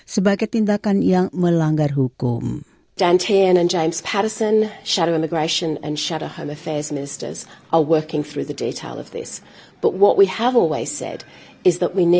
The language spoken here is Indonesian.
sebagai tindakan yang diperlukan oleh pemerintah